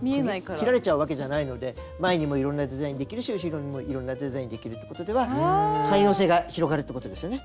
切られちゃうわけじゃないので前にもいろんなデザインできるし後ろにもいろんなデザインできるってことでは汎用性が広がるってことですよね。